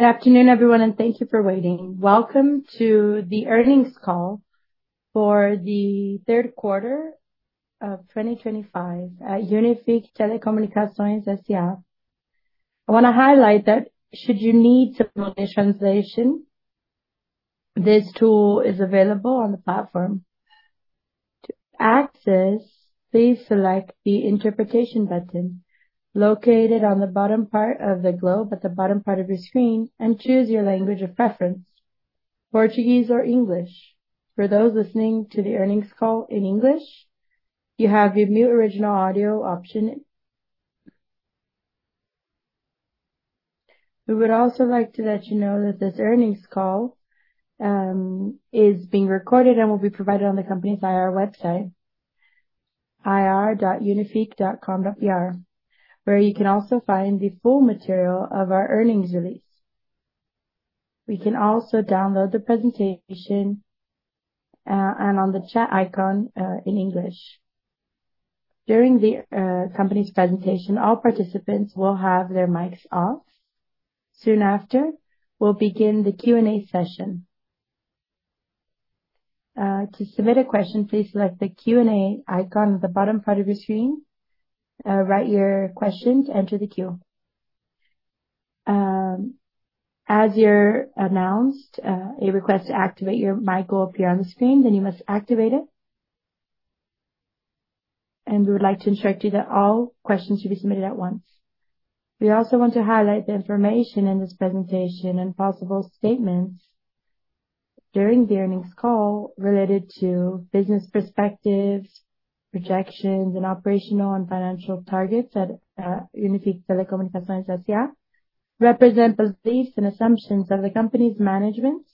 Good afternoon, everyone, and thank you for waiting. Welcome to the Earnings Call For The Q3 Of 2025 At Unifique Telecomunicações S.A. I wanna highlight that should you need to prompt a translation, this tool is available on the platform. To access, please select the Interpretation button located on the bottom part of the globe at the bottom part of your screen and choose your language of preference, Portuguese or English. For those listening to the earnings call in English, you have the View Original Audio option. We would also like to let you know that this earnings call is being recorded and will be provided on the company's IR website, ir.unifique.com.br, where you can also find the full material of our earnings release. We can also download the presentation, and on the chat icon, in English. During the company's presentation, all participants will have their mics off. Soon after, we'll begin the Q&A session. To submit a question, please select the Q&A icon at the bottom part of your screen. Write your questions, enter the queue. As we announced, a request to activate your mic will appear on the screen, then you must activate it. We would like to instruct you that all questions should be submitted at once. We also want to highlight the information in this presentation and possible statements during the earnings call related to business perspectives, projections, and operational and financial targets at Unifique Telecomunicações S.A., represent beliefs and assumptions of the company's management,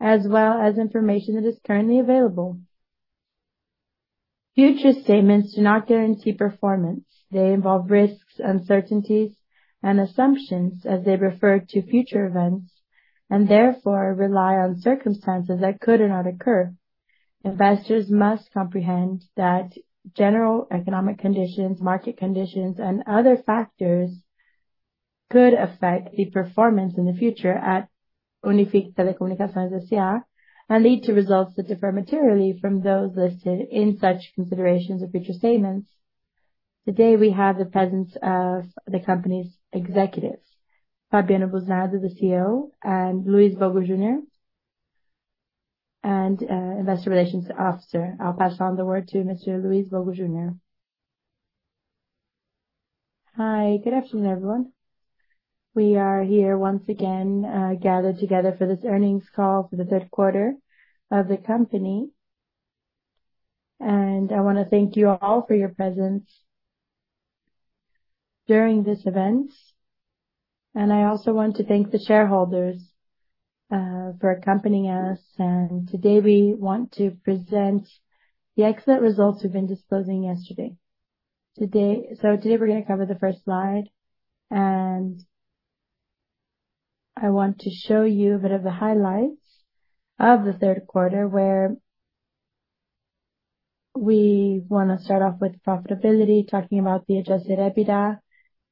as well as information that is currently available. Future statements do not guarantee performance. They involve risks, uncertainties, and assumptions as they refer to future events, and therefore rely on circumstances that could or not occur. Investors must comprehend that general economic conditions, market conditions, and other factors could affect the performance in the future at Unifique Telecomunicações S.A. and lead to results that differ materially from those listed in such considerations of future statements. Today, we have the presence of the company's executives, Fabiano Busnardo, the CEO, and Luiz Bogo Junior, and investor relations officer. I'll pass on the word to Mr. Luiz Bogo Junior. Hi. Good afternoon, everyone. We are here once again, gathered together for this earnings call for the Q3 of the company. I wanna thank you all for your presence during this event. I also want to thank the shareholders, for accompanying us. Today, we want to present the excellent results we've been disclosing yesterday. Today we're gonna cover the first slide, and I want to show you a bit of the highlights of the Q3, where we wanna start off with profitability, talking about the Adjusted EBITDA,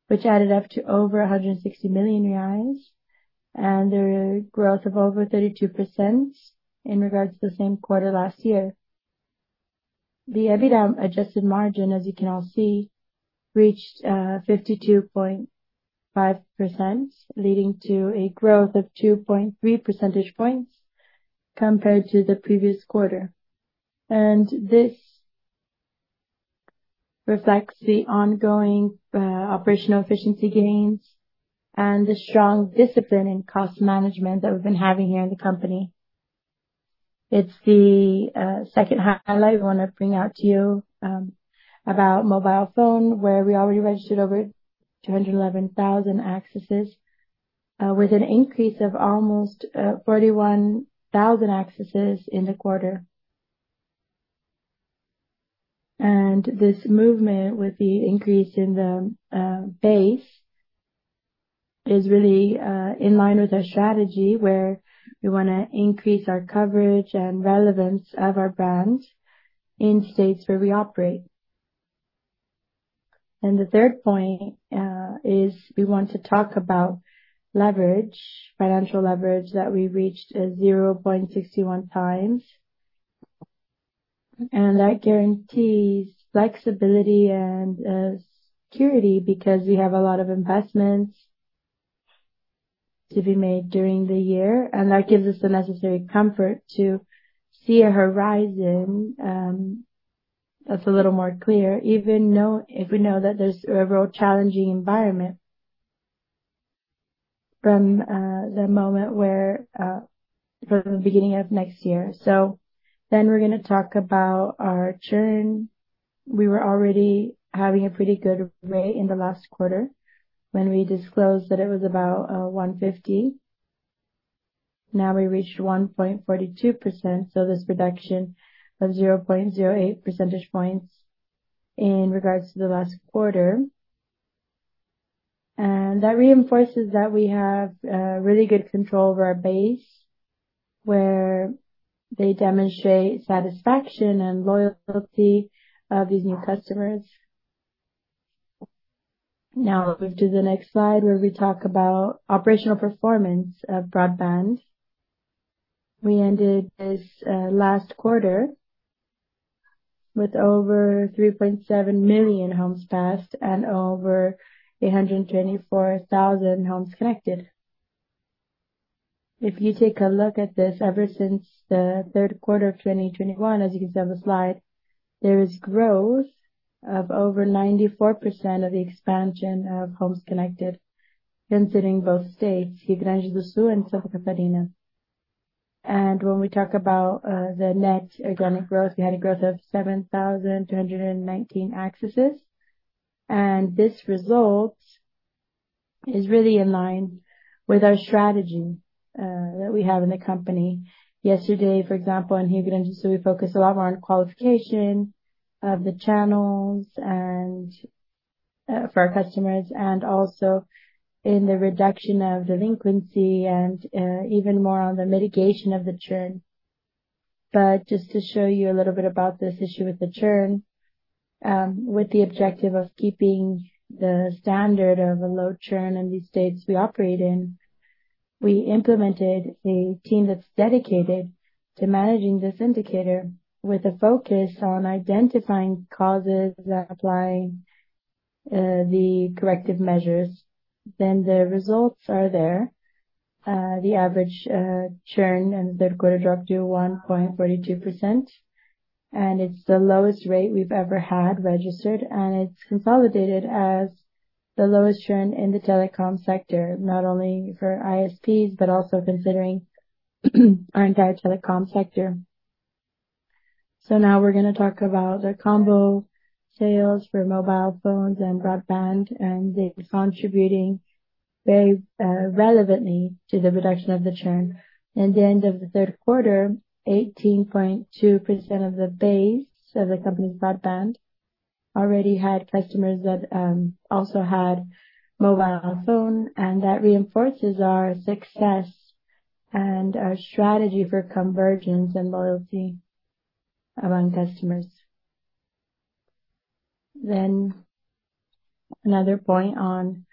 which added up to over 160 million reais, and a growth of over 32% in regards to the same quarter last year. The EBITDA adjusted margin, as you can all see, reached 52.5%, leading to a growth of 2.3 percentage points compared to the previous quarter. This reflects the ongoing operational efficiency gains and the strong discipline in cost management that we've been having here in the company. It's the second highlight I wanna bring out to you about mobile phone, where we already registered over 211,000 accesses with an increase of almost 41,000 accesses in the quarter. This movement with the increase in the base is really in line with our strategy where we wanna increase our coverage and relevance of our brand in states where we operate. The third point is we want to talk about leverage, financial leverage, that we reached a 0.61x. That guarantees flexibility and security because we have a lot of investments to be made during the year, and that gives us the necessary comfort to see a horizon that's a little more clear, even if we know that there's a real challenging environment from the beginning of next year. We're gonna talk about our churn. We were already having a pretty good rate in the last quarter when we disclosed that it was about 1.50%. Now we reached 1.42%, so this reduction of 0.08 percentage points in regards to the last quarter. That reinforces that we have really good control over our base, where they demonstrate satisfaction and loyalty of these new customers. Now we'll move to the next slide where we talk about operational performance of broadband. We ended this last quarter with over 3.7 million homes passed and over 824,000 homes connected. If you take a look at this, ever since the Q3 of 2021, as you can see on the slide, there is growth of over 94% of the expansion of homes connected considering both states, Rio Grande do Sul and Santa Catarina. When we talk about the net organic growth, we had a growth of 7,219 accesses. This result is really in line with our strategy that we have in the company. Yesterday, for example, in Rio Grande do Sul, we focused a lot more on qualification of the channels and for our customers and also in the reduction of delinquency and even more on the mitigation of the churn. Just to show you a little bit about this issue with the churn, with the objective of keeping the standard of a low churn in these states we operate in. We implemented a team that's dedicated to managing this indicator with a focus on identifying causes that apply the corrective measures. The results are there. The average churn in the Q3 dropped to 1.42%, and it's the lowest rate we've ever had registered, and it's consolidated as the lowest churn in the telecom sector, not only for ISPs, but also considering our entire telecom sector. Now we're gonna talk about the combo sales for mobile phones and broadband, and they're contributing very relevantly to the reduction of the churn. In the end of the Q3, 18.2% of the base of the company's broadband already had customers that also had mobile phone, and that reinforces our success and our strategy for convergence and loyalty among customers. Another point on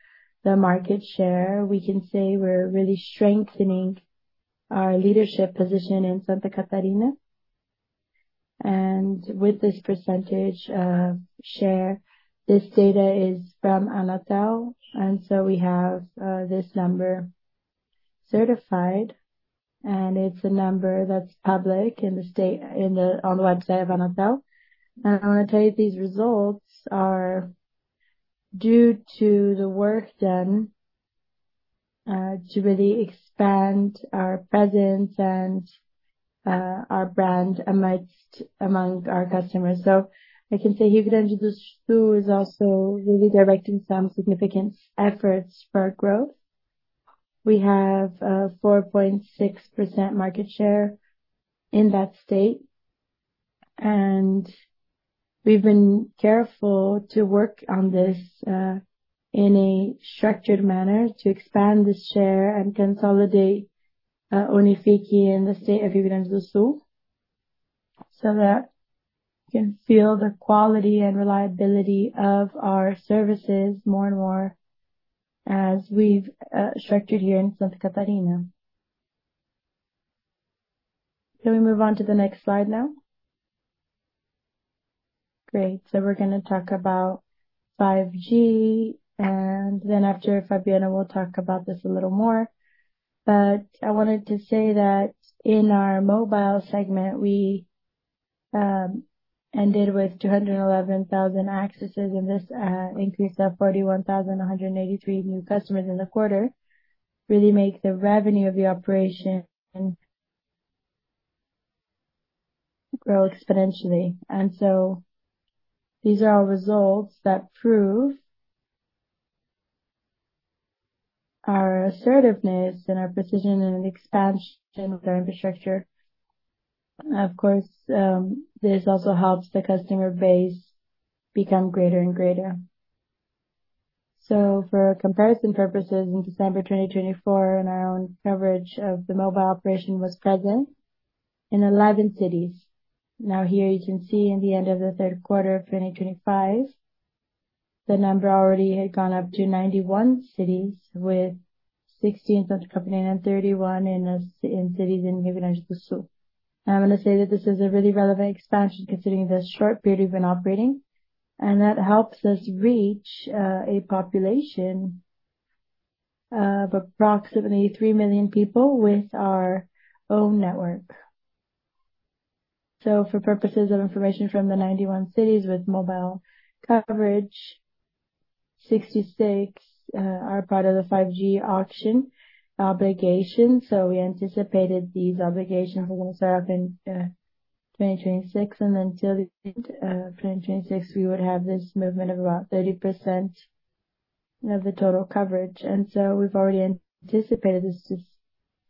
the market share. We can say we're really strengthening our leadership position in Santa Catarina. With this percentage of share, this data is from Anatel, and so we have this number certified, and it's a number that's public in the state on the website of Anatel. I'm gonna tell you, these results are due to the work done to really expand our presence and our brand among our customers. I can say Rio Grande do Sul is also really directing some significant efforts for our growth. We have 4.6% market share in that state, and we've been careful to work on this in a structured manner to expand the share and consolidate Unifique in the state of Rio Grande do Sul so that you can feel the quality and reliability of our services more and more as we've structured here in Santa Catarina. Can we move on to the next slide now? Great. We're gonna talk about 5G, and then after Fabiano will talk about this a little more. I wanted to say that in our mobile segment, we ended with 211,000 accesses, and this increase of 41,183 new customers in the quarter really make the revenue of the operation grow exponentially. These are all results that prove our assertiveness and our precision in expansion of our infrastructure. Of course, this also helps the customer base become greater and greater. For comparison purposes, in December 2024, our own coverage of the mobile operation was present in 11 cities. Now here you can see in the end of the Q3 of 2025, the number already had gone up to 91 cities with 60 in Santa Catarina and 31 in cities in Rio Grande do Sul. I'm gonna say that this is a really relevant expansion considering the short period we've been operating, and that helps us reach a population of approximately three million people with our own network. For purposes of information from the 91 cities with mobile coverage, 66 are part of the 5G auction obligation. We anticipated these obligations were gonna start up in 2026, and until the end of 2026, we would have this movement of about 30% of the total coverage. We've already anticipated this is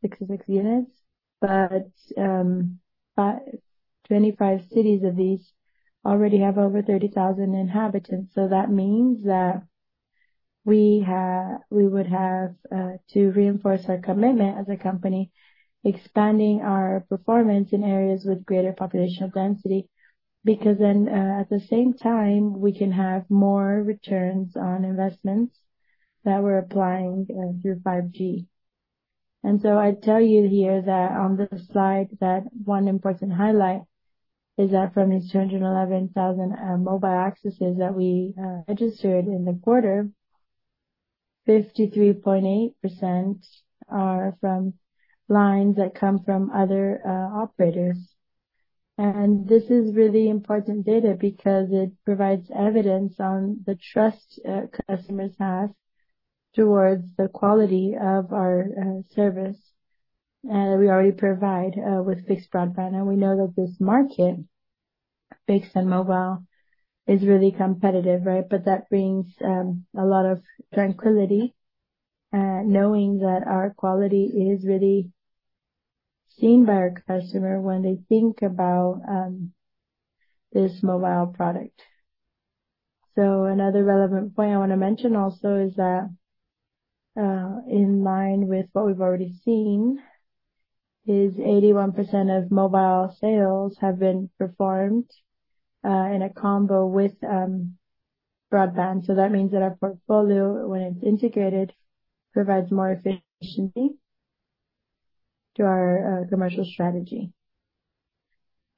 66 units but 25 cities of these already have over 30,000 inhabitants. That means that we would have to reinforce our commitment as a company, expanding our performance in areas with greater population density, because then, at the same time, we can have more returns on investments that we're applying through 5G. I tell you here that on this slide, that one important highlight is that from these 211,000 mobile accesses that we registered in the quarter, 53.8% are from lines that come from other operators. This is really important data because it provides evidence on the trust customers have towards the quality of our service. We already provide with fixed broadband, and we know that this market, fixed and mobile, is really competitive, right? That brings a lot of tranquillity knowing that our quality is really seen by our customer when they think about this mobile product. Another relevant point I wanna mention also is that in line with what we've already seen is 81% of mobile sales have been performed in a combo with broadband. That means that our portfolio, when it's integrated, provides more efficiency to our commercial strategy.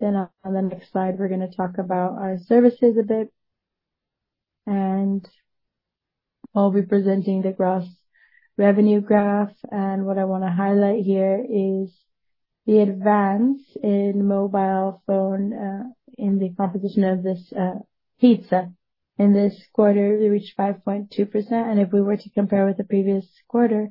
On the next slide, we're gonna talk about our services a bit. I'll be presenting the gross revenue graph. What I wanna highlight here is the advance in mobile phone in the composition of this pizza. In this quarter, we reached 5.2%, and if we were to compare with the previous quarter,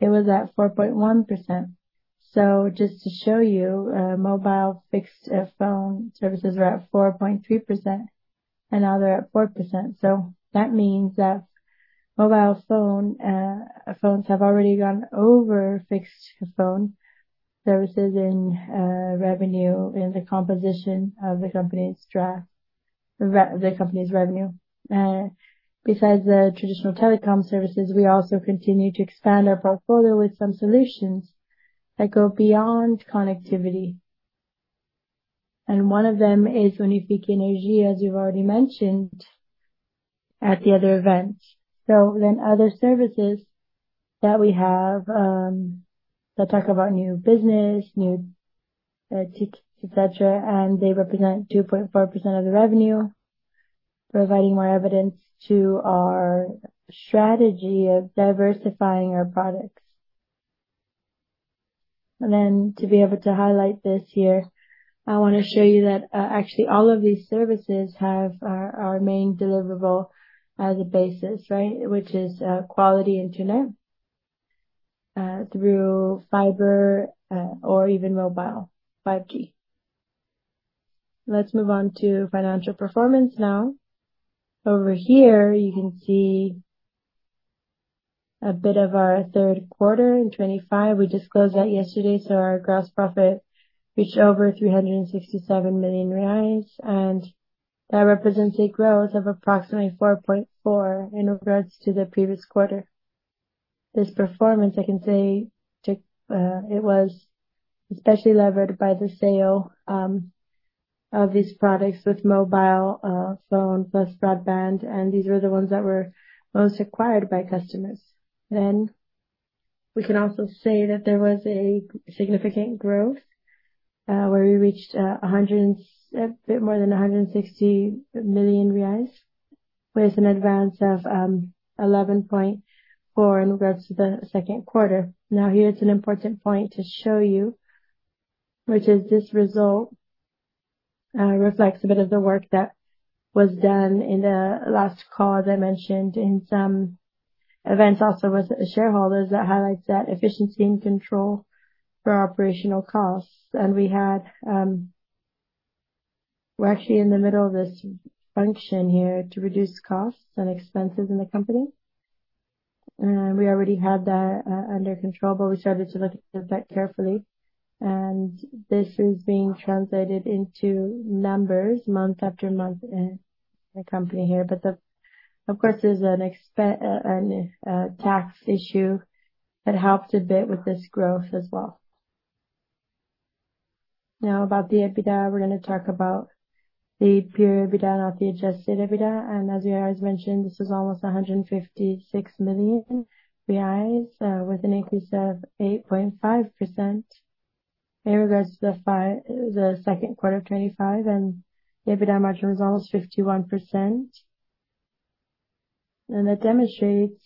it was at 4.1%. Just to show you, mobile fixed phone services were at 4.3%, and now they're at 4%. That means that mobile phones have already gone over fixed phone services in revenue in the composition of the company's revenue. Besides the traditional telecom services, we also continue to expand our portfolio with some solutions that go beyond connectivity. One of them is Unifique Energia, as you've already mentioned at the other events. Other services that we have that talk about new business, et cetera, and they represent 2.4% of the revenue, providing more evidence to our strategy of diversifying our products. To be able to highlight this here, I wanna show you that, actually all of these services have our main deliverable as a basis, right? Which is quality internet through fiber or even mobile, 5G. Let's move on to financial performance now. Over here, you can see a bit of our Q3 in 2025. We disclosed that yesterday, so our gross profit reached over 367 million reais, and that represents a growth of approximately 4.4% in regards to the previous quarter. This performance, I can say, it was especially levered by the sale of these products with mobile phone plus broadband, and these were the ones that were most acquired by customers. We can also say that there was a significant growth where we reached a bit more than 160 million reais with an advance of 11.4% in regards to the Q2. Now, here's an important point to show you, which is this result reflects a bit of the work that was done in the last call, as I mentioned, in some events also with shareholders that highlights that efficiency and control for operational costs. We had. We're actually in the middle of this function here to reduce costs and expenses in the company. We already had that under control, but we started to look at that carefully, and this is being translated into numbers month after month in the company here. Of course, there's a tax issue that helped a bit with this growth as well. Now about the EBITDA, we're gonna talk about the pure EBITDA, not the Adjusted EBITDA. As you guys mentioned, this is almost 156 million reais, with an increase of 8.5% in regards to the Q2 of 2025. The EBITDA margin was almost 51%. That demonstrates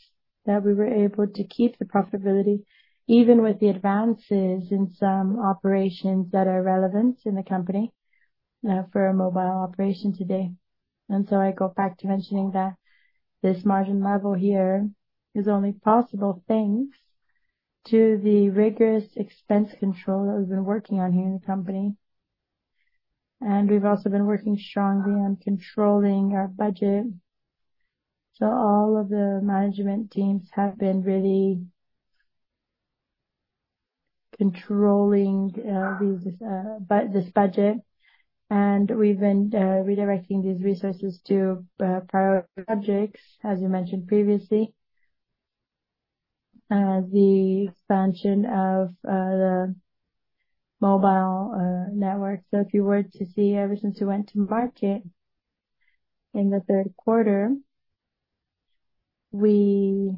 that we were able to keep the profitability even with the advances in some operations that are relevant in the company and for our mobile operation today. I go back to mentioning that this margin level here is only possible, thanks to the rigorous expense control that we've been working on here in the company. We've also been working strongly on controlling our budget. All of the management teams have been really controlling this budget, and we've been redirecting these resources to priority subjects as we mentioned previously, the expansion of the mobile network. If you were to see ever since we went to market in the Q3, we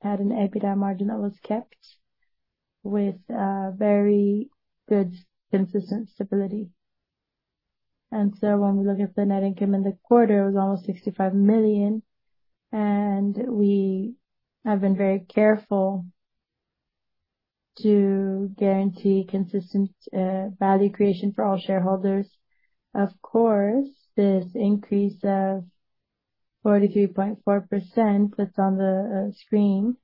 had an EBITDA margin that was kept with very good consistent stability. When we look at the net income in the quarter, it was almost 65 million. We have been very careful to guarantee consistent value creation for all shareholders. Of course, this increase of 43.4% that's on the screen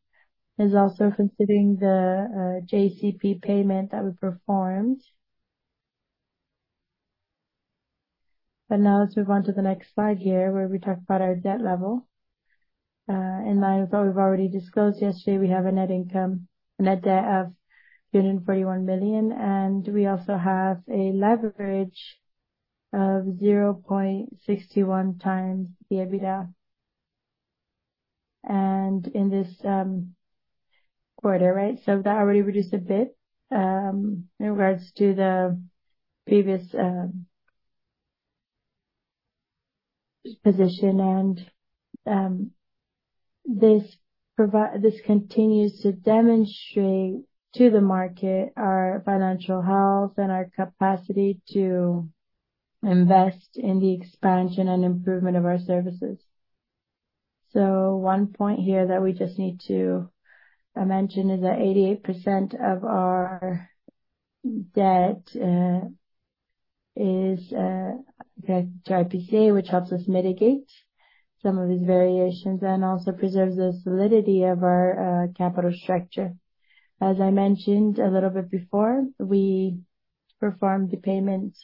is also considering the JCP payment that we performed. Now let's move on to the next slide here, where we talk about our debt level. In line with what we've already disclosed yesterday, we have a net debt of 1.041 billion, and we also have a leverage of 0.61x the EBITDA. In this quarter, right? That already reduced a bit in regards to the previous position. This continues to demonstrate to the market our financial health and our capacity to invest in the expansion and improvement of our services. One point here that we just need to mention is that 88% of our debt is connected to IPCA, which helps us mitigate some of these variations and also preserves the solidity of our capital structure. As I mentioned a little bit before, we performed the payment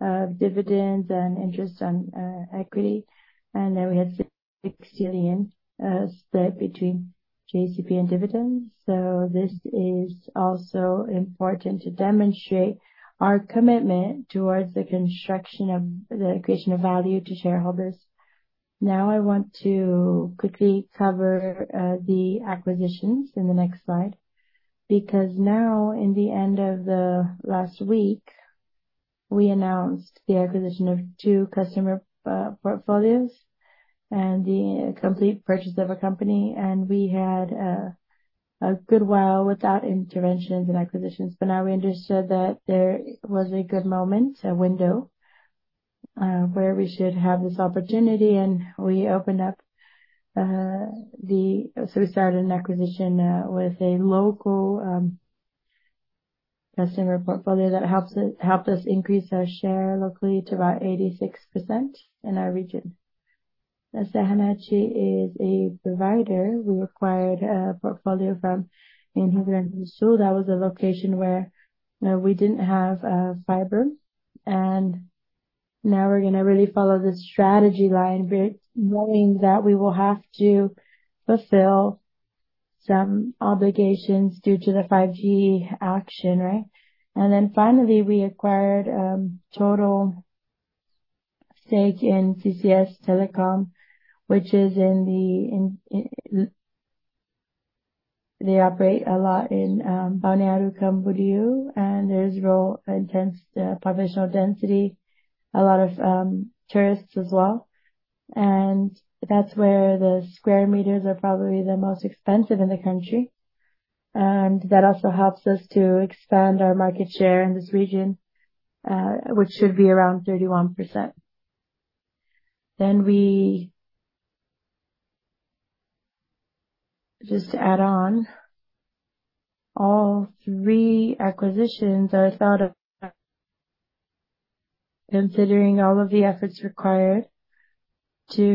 of dividends and interest on equity, and then we had 6 billion split between JCP and dividends. This is also important to demonstrate our commitment towards the construction of the creation of value to shareholders. Now, I want to quickly cover the acquisitions in the next slide, because now in the end of the last week, we announced the acquisition of two customer portfolios and the complete purchase of a company and we had a good while without interventions and acquisitions. For now we understood that there was a good moment, a window, where we should have this opportunity, and we started an acquisition with a local customer portfolio that helped us increase our share locally to about 86% in our region. As SerraNet is a provider, we acquired a portfolio from SerraNet in Rio Grande do Sul. That was a location where we didn't have fiber. Now we're gonna really follow the strategy line, but knowing that we will have to fulfil some obligations due to the 5G auction, right? Finally we acquired total stake in CCS Telecom. They operate a lot in Balneário Camboriú, and there's really intense population density. A lot of tourists as well. That's where the square meters are probably the most expensive in the country. That also helps us to expand our market share in this region, which should be around 31%. Just to add on, all three acquisitions are thought of considering all of the efforts required to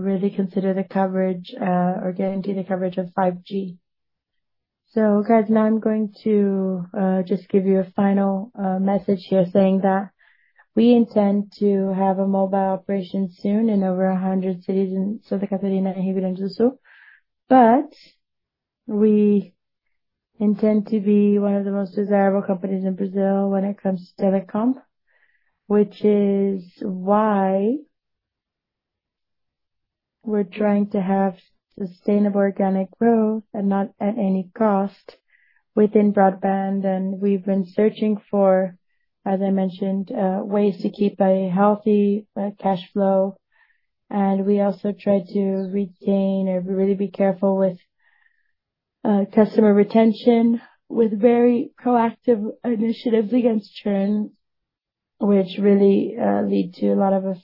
really consider the coverage, or guarantee the coverage of 5G. Guys, now I'm going to just give you a final message here saying that we intend to have a mobile operation soon in over 100 cities in Rio Grande do Sul but we intend to be one of the most desirable companies in Brazil when it comes to telecom. Which is why we're trying to have sustainable organic growth and not at any cost within broadband. We've been searching for, as I mentioned, ways to keep a healthy cash flow. We also try to retain or really be careful with customer retention with very proactive initiatives against churn, which really lead to a lot of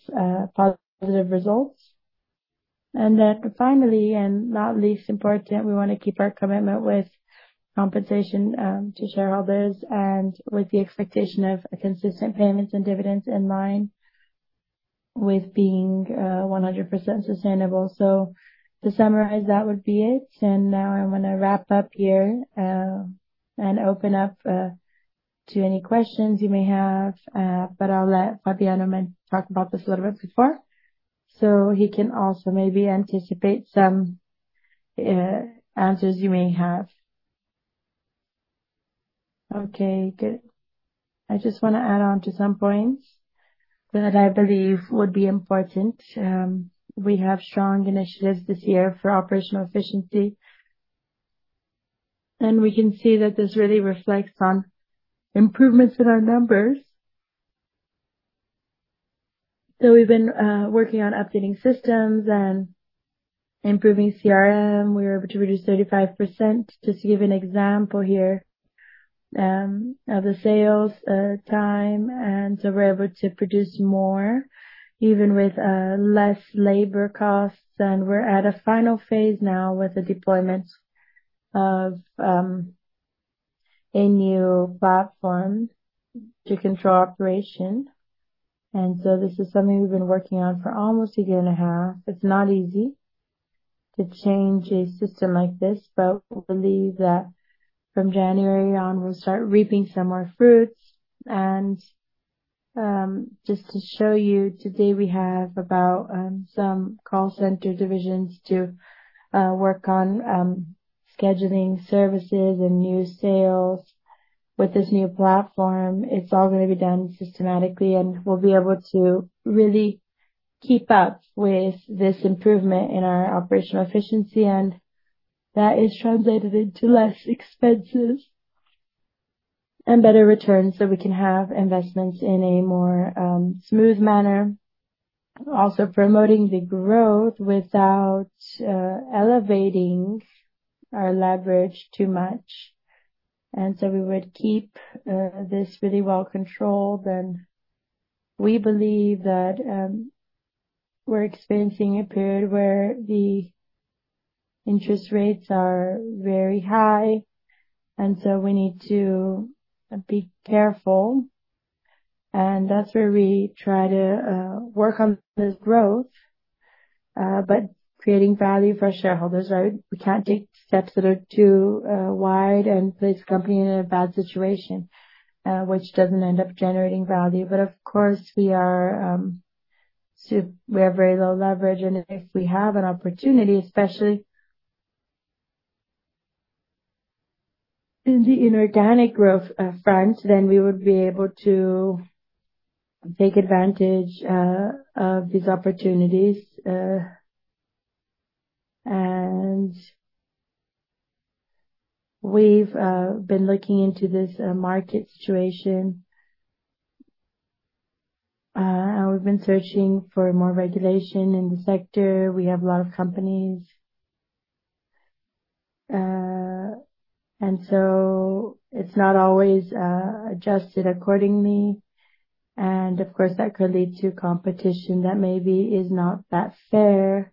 positive results. Finally, and not least important, we wanna keep our commitment with compensation to shareholders and with the expectation of consistent payments and dividends in mind with being 100% sustainable. To summarize, that would be it. Now I'm gonna wrap up here and open up to any questions you may have. I'll let Fabiano talk about this a little bit before, so he can also maybe anticipate some answers you may have. Okay, good. I just wanna add on to some points that I believe would be important. We have strong initiatives this year for operational efficiency. We can see that this really reflects on improvements in our numbers. We've been working on updating systems and improving CRM. We were able to reduce 35%, just to give an example here, of the sales time, and so we're able to produce more even with less labor costs. We're at a final phase now with the deployment of a new platform to control operation. This is something we've been working on for almost a year and a half. It's not easy to change a system like this, but we believe that from January on, we'll start reaping some more fruits. Just to show you today, we have about some call center divisions to work on scheduling services and new sales. With this new platform, it's all gonna be done systematically, and we'll be able to really keep up with this improvement in our operational efficiency, and that is translated into less expenses and better returns, so we can have investments in a more smooth manner. Promoting the growth without elevating our leverage too much. We would keep this really well controlled. We believe that we're experiencing a period where the interest rates are very high, so we need to be careful. That's where we try to work on this growth but creating value for our shareholders, right? We can't take steps that are too wide and place the company in a bad situation, which doesn't end up generating value. Of course, we are, we have very low leverage, and if we have an opportunity, especially in the organic growth front, then we would be able to take advantage of these opportunities. We've been looking into this market situation. We've been searching for more regulation in the sector. We have a lot of companies. It's not always adjusted accordingly. Of course, that could lead to competition that maybe is not that fair.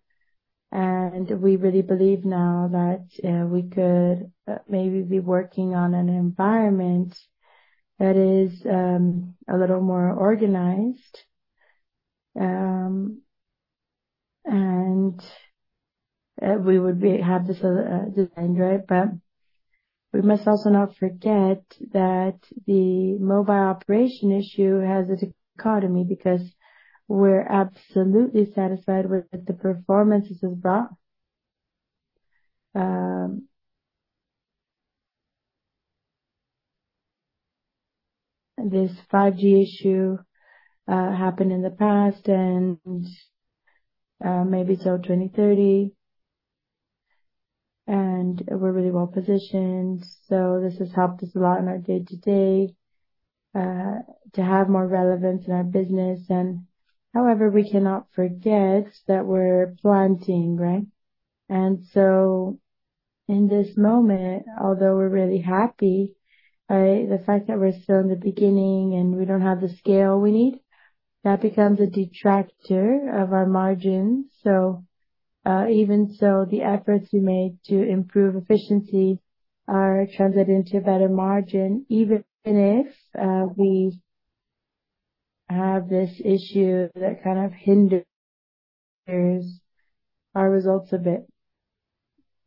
We really believe now that we could maybe be working on an environment that is a little more organized. We would have this designed right? We must also not forget that the mobile operation issue has a dichotomy, because we're absolutely satisfied with the performance this has brought. This 5G issue happened in the past and maybe till 2030. We're really well-positioned. This has helped us a lot in our day-to-day to have more relevance in our business. However, we cannot forget that we're planting, right? In this moment, although we're really happy, the fact that we're still in the beginning and we don't have the scale we need, that becomes a detractor of our margins. Even so, the efforts we made to improve efficiency are translated into a better margin, even if we have this issue that hinders our results a bit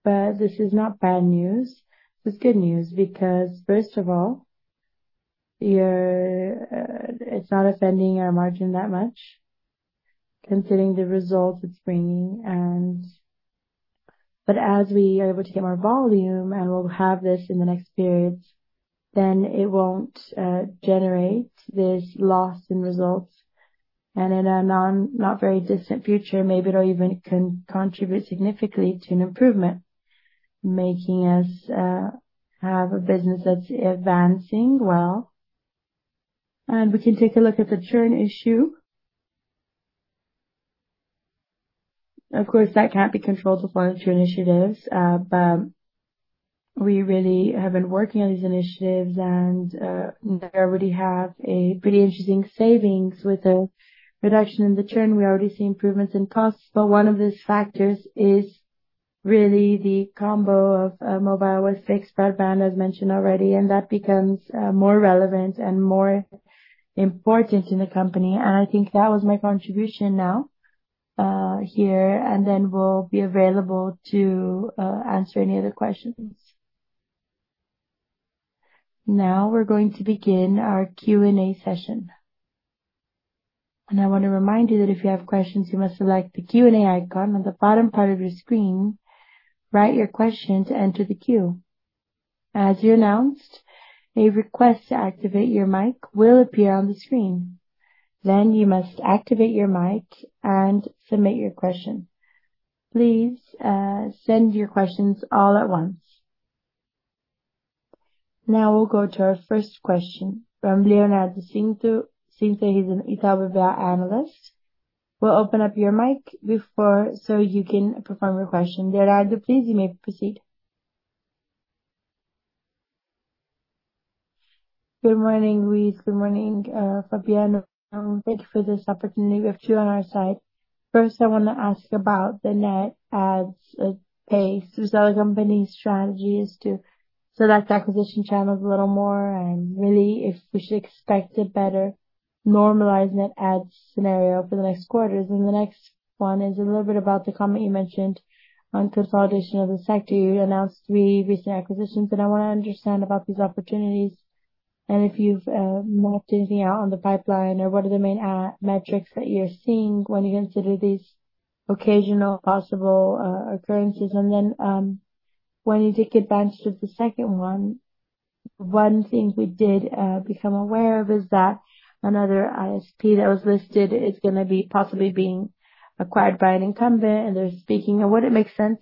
but this is not bad news. It's good news because first of all, it's not offending our margin that much considering the results it's bringing. As we are able to get more volume, and we'll have this in the next periods, then it won't generate this loss in results. In a not very distant future, maybe it'll even contribute significantly to an improvement, making us have a business that's advancing well. We can take a look at the churn issue. Of course, that can't be controlled upon through initiatives, but we really have been working on these initiatives and they already have a pretty interesting savings. With a reduction in the churn, we already see improvements in costs, but one of these factors is really the combo of mobile with fixed broadband, as mentioned already, and that becomes more relevant and more important in the company. I think that was my contribution now here. Then we'll be available to answer any other questions. Now we're going to begin our Q&A session. I wanna remind you that if you have questions, you must select the Q&A icon on the bottom part of your screen. Write your question to enter the queue. As you announced, a request to activate your mic will appear on the screen. Then you must activate your mic and submit your question. Please, send your questions all at once. Now we'll go to our first question from Leonardo Cinto. Cinto, he's an Itaú BBA analyst. We'll open up your mic before so you can perform your question. Leonardo, please, you may proceed. Good morning, Luiz. Good morning, Fabiano. Thank you for this opportunity. We have two on our side. First, I wanna ask about the net adds pace. Is it the company's strategy to select acquisition channels a little more? Really, if we should expect a better normalized net adds scenario for the next quarters? The next one is a little bit about the comment you mentioned on consolidation of the sector. You announced three recent acquisitions, and I wanna understand about these opportunities and if you've mapped anything out on the pipeline or what are the main metrics that you're seeing when you consider these occasional possible occurrences? When you take advantage of the second one, one thing we did become aware of is that another ISP that was listed is gonna be possibly being acquired by an incumbent, and they're speaking. Would it make sense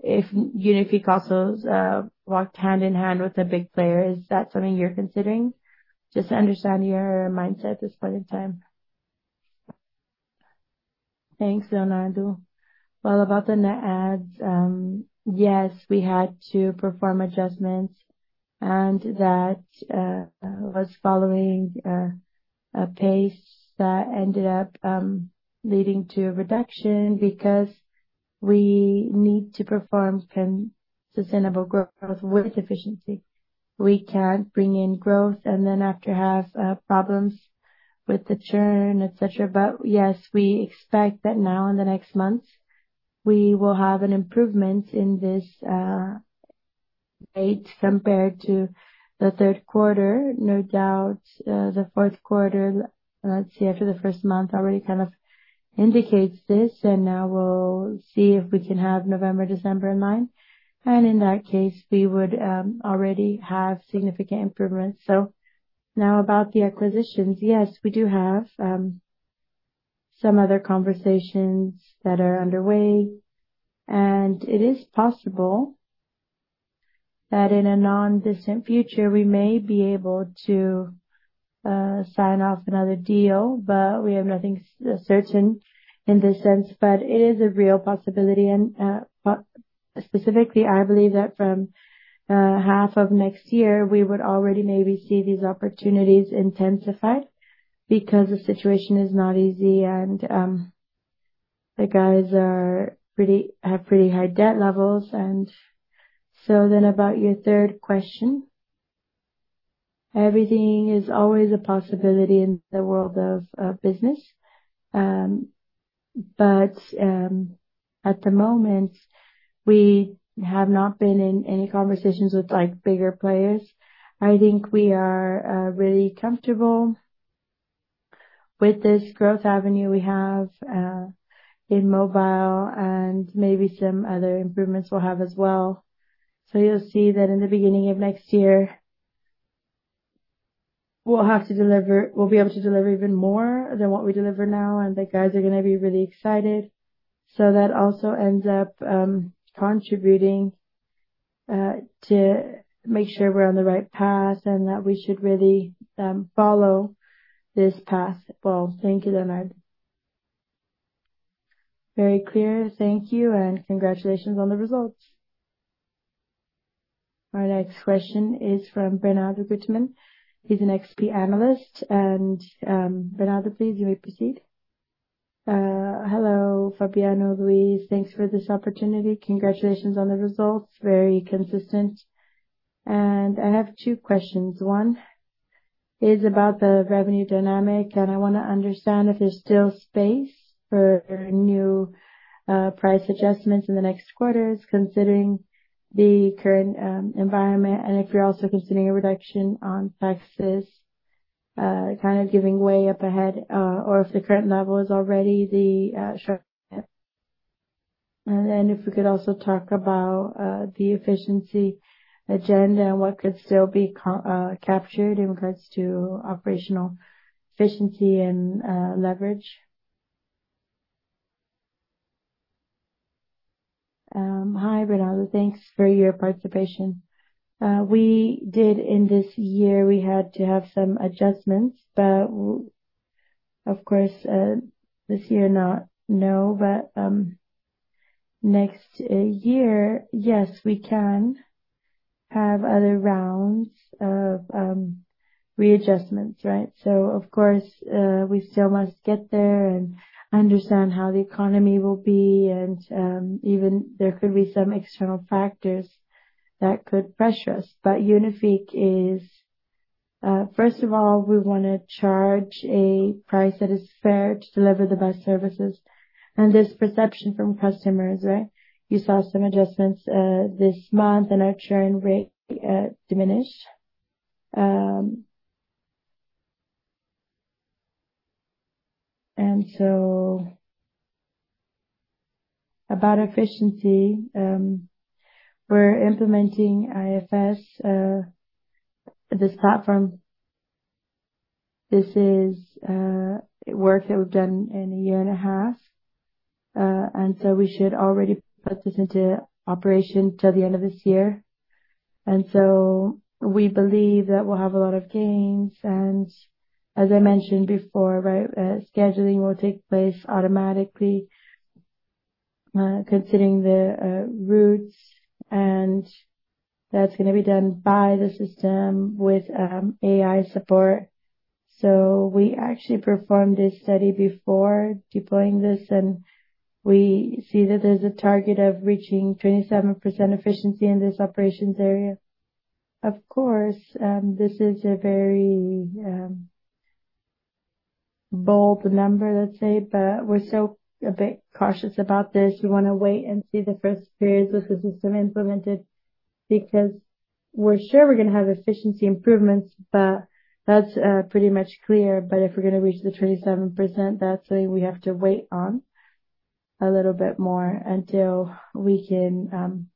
if Unifique also to walk hand in hand with a big player? Is that something you're considering? Just to understand your mindset at this point in time. Thanks, Leonardo. Well, about the net adds, yes, we had to perform adjustments, and that was following a pace that ended up leading to a reduction because we need to perform sustainable growth with efficiency. We can't bring in growth and then after have problems with the churn, et cetera. Yes, we expect that now in the next months, we will have an improvement in this rate compared to the Q3. No doubt, the Q4, let's see, after the first month already indicates this, and now we'll see if we can have November, December in line. In that case, we would already have significant improvements. Now about the acquisitions. Yes, we do have some other conversations that are underway, and it is possible that in a non-distant future we may be able to sign off another deal, but we have nothing certain in this sense but it is a real possibility. Specifically, I believe that from half of next year, we would already maybe see these opportunities intensified because the situation is not easy and the guys have pretty high debt levels. About your third question. Everything is always a possibility in the world of business. At the moment, we have not been in any conversations with, like, bigger players. I think we are really comfortable with this growth avenue we have in mobile and maybe some other improvements we have as well. You'll see that in the beginning of next year, we'll be able to deliver even more than what we deliver now, and the guys are gonna be really excited. That also ends up contributing to make sure we're on the right path and that we should really follow this path. Well, thank you, Leonardo. Very clear. Thank you. Congratulations on the results. Our next question is from Bernardo Guttmann. He's an XP analyst. Bernardo, please, you may proceed. Hello, Fabiano, Luiz. Thanks for this opportunity. Congratulations on the results. Very consistent. I have two questions. One is about the revenue dynamic, and I wanna understand if there's still space for new price adjustments in the next quarters considering the current environment and if you're also considering a reduction on taxes kind of giving way up ahead or if the current level is already the short? If we could also talk about the efficiency agenda and what could still be captured in regards to operational efficiency and leverage? Hi, Bernardo. Thanks for your participation. We did. In this year, we had to have some adjustments, but of course, this year, no but next year, yes, we can have other rounds of readjustments, right? Of course, we still must get there and understand how the economy will be. Even there could be some external factors that could pressure us. Unifique is, first of all, we wanna charge a price that is fair to deliver the best services. This perception from customers there, you saw some adjustments this month and our churn rate diminished. About efficiency, we're implementing IFS, this platform. This is work that we've done in a year and a half. We should already put this into operation till the end of this year. We believe that we'll have a lot of gains. As I mentioned before, right, scheduling will take place automatically considering the routes. That's gonna be done by the system with AI support. We actually performed a study before deploying this, and we see that there's a target of reaching 27% efficiency in this operations area. Of course, this is a very bold number, let's say, but we're still a bit cautious about this. We wanna wait and see the first period this system implemented, because we're sure we're gonna have efficiency improvements, but that's pretty much clear but if we're gonna reach the 27%, that's something we have to wait on a little bit more until we can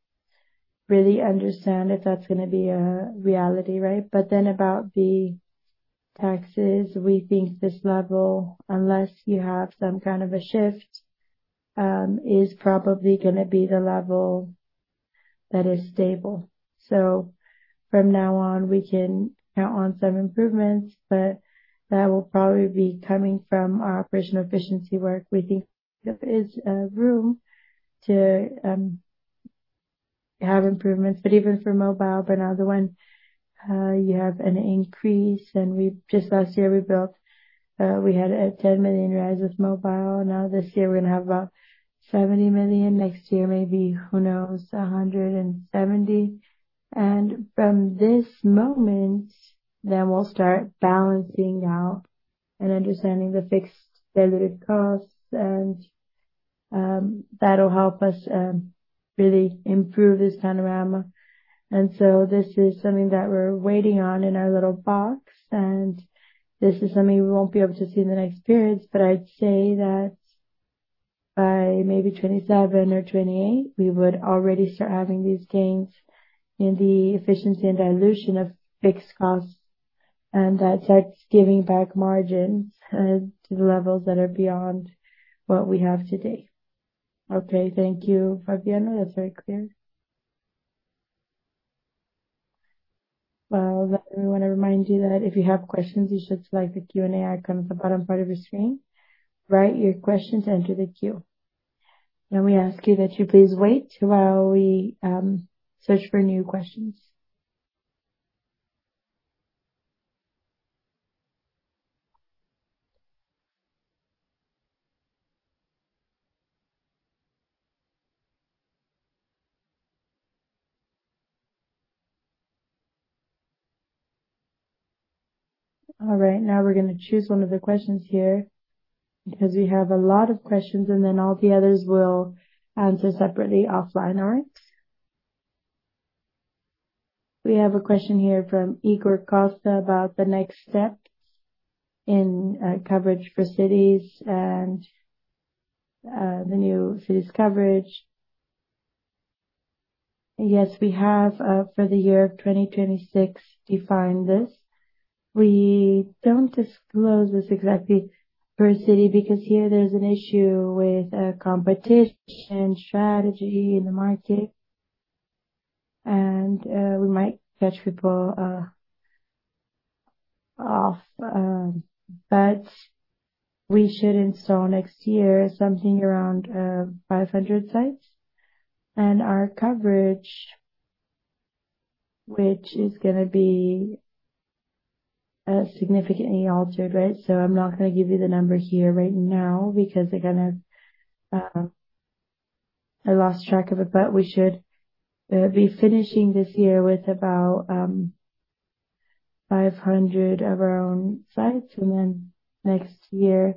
really understand if that's gonna be a reality, right? About the taxes, we think this level, unless you have some shift, is probably gonna be the level that is stable. From now on, we can count on some improvements, but that will probably be coming from our operational efficiency work. We think there is room to have improvements. Even for mobile, Bernardo, when you have an increase and just last year we had a 10 million rise with mobile. Now this year we're gonna have about 70 million. Next year, maybe, who knows, 170 million. From this moment then we'll start balancing out and understanding the fixed diluted costs and that'll help us really improve this panorama. This is something that we're waiting on in our little box, and this is something we won't be able to see in the next period. I'd say that by maybe 2027 or 2028, we would already start having these gains in the efficiency and dilution of fixed costs, and that starts giving back margins to the levels that are beyond what we have today. Okay. Thank you, Fabiano. That's very clear. Well, we wanna remind you that if you have questions, you should select the Q&A icon at the bottom part of your screen. Write your questions, enter the queue. May we ask you that you please wait while we search for new questions. All right, now we're gonna choose one of the questions here because we have a lot of questions, and then all the others we'll answer separately offline, all right? We have a question here from Igor Costa about the next steps in coverage for cities and the new cities coverage. Yes, we have for the year 2026 defined this. We don't disclose this exactly per city because here there's an issue with competition strategy in the market and we might catch people off. We should install next year something around 500 sites. Our coverage, which is gonna be significantly altered, right? I'm not gonna give you the number here right now because they're gonna. I lost track of it. We should be finishing this year with about 500 of our own sites. Next year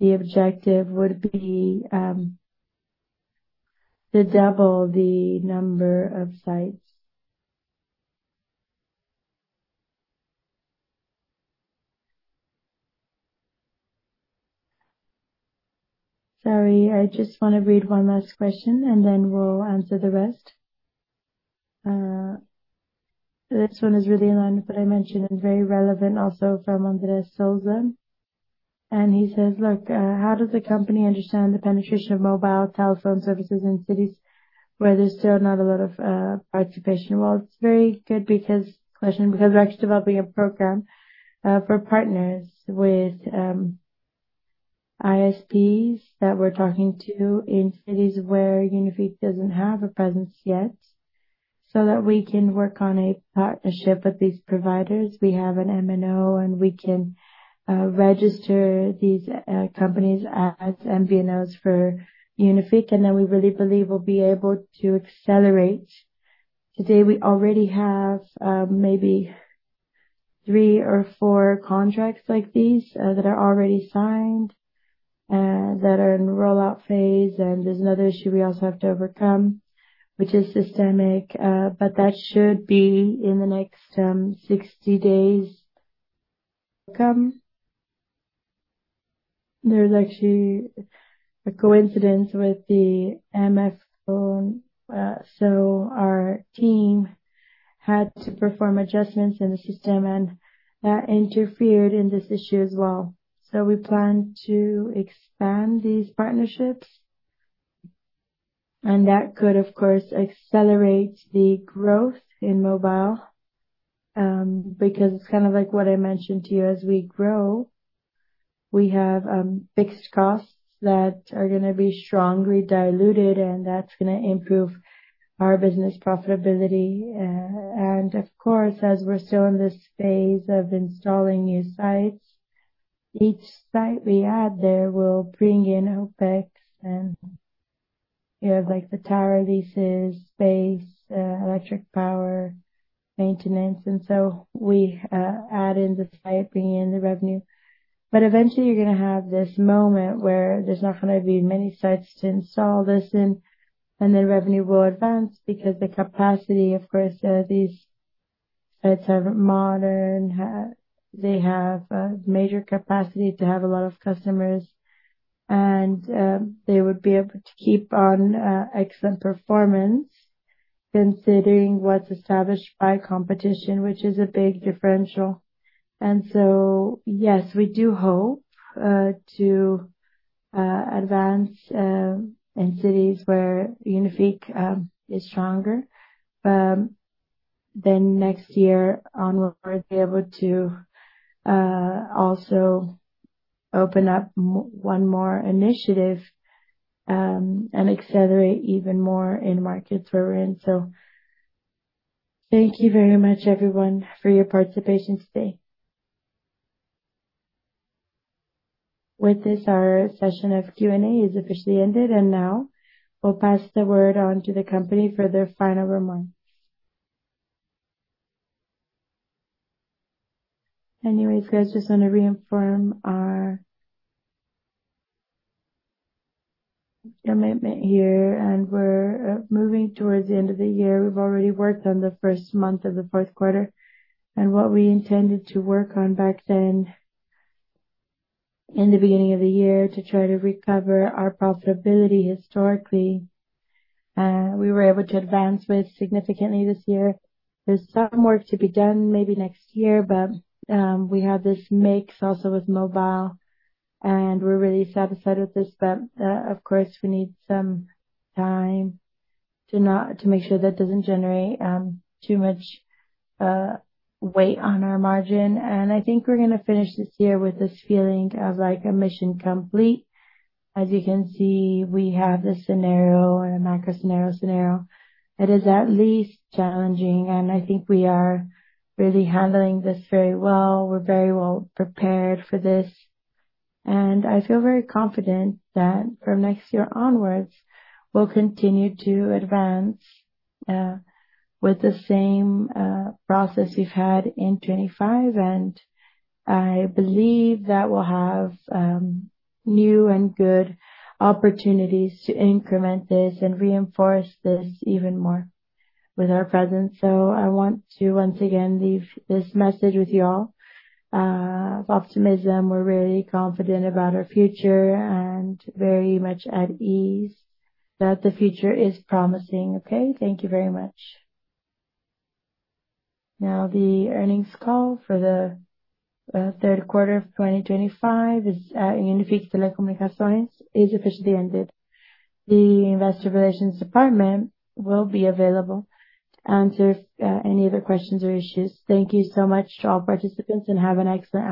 the objective would be to double the number of sites. Sorry, I just wanna read one last question, and then we'll answer the rest. This one is really in line with what I mentioned and very relevant also from André Souza. He says, "Look, how does the company understand the penetration of mobile telephone services in cities where there's still not a lot of [participation]?" Well, it's very good because we're actually developing a program for partners with ISPs that we're talking to in cities where Unifique doesn't have a presence yet, so that we can work on a partnership with these providers. We have an MNO, and we can register these companies as MVNOs for Unifique, and then we really believe we'll be able to accelerate. Today we already have maybe three or four contracts like these that are already signed and that are in rollout phase. There's another issue we also have to overcome, which is systemic, but that should be in the next 60 days to come. There's actually a coincidence with the MX phone. Our team had to perform adjustments in the system and interfered in this issue as well. We plan to expand these partnerships. That could, of course, accelerate the growth in mobile, because it's like what I mentioned to you. As we grow, we have fixed costs that are gonna be strongly diluted, and that's gonna improve our business profitability. Of course, as we're still in this phase of installing new sites, each site we add there will bring in OpEx. You have, like, the tower leases, space, electric power, maintenance. We add in the site, bring in the revenue. Eventually you're gonna have this moment where there's not gonna be many sites to install this in, and the revenue will advance because the capacity, of course, these sites are modern. They have major capacity to have a lot of customers, and they would be able to keep on excellent performance considering what's established by competition, which is a big differential. Yes, we do hope to advance in cities where Unifique is stronger. Next year onwards, be able to also open up one more initiative, and accelerate even more in markets we're into. Thank you very much, everyone, for your participation today. With this, our session of Q&A is officially ended, and now we'll pass the word on to the company for their final remarks. Anyways, guys, just wanna reaffirm our commitment here. We're moving towards the end of the year. We've already worked on the first month of the Q4. What we intended to work on back then, in the beginning of the year, to try to recover our profitability historically, we were able to advance with significantly this year. There's some work to be done maybe next year, but we have this mix also with mobile, and we're really satisfied with this. Of course, we need some time to make sure that doesn't generate too much weight on our margin. I think we're gonna finish this year with this feeling of, like, a mission complete. As you can see, we have this scenario and a macro scenario that is at least challenging. I think we are really handling this very well. We're very well prepared for this, and I feel very confident that from next year onwards, we'll continue to advance with the same process we've had in 25. I believe that we'll have new and good opportunities to increment this and reinforce this even more with our presence. I want to once again leave this message with you all of optimism. We're really confident about our future and very much at ease that the future is promising. Okay? Thank you very much. Now the earnings call for the Q3 of 2025 of Unifique Telecomunicações is officially ended. The investor relations department will be available to answer any other questions or issues. Thank you so much to all participants, and have an excellent afternoon.